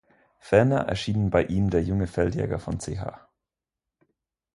Ferner erschienen bei ihm "Der junge Feldjäger" von Ch.